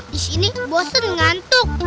disini bosen ngantuk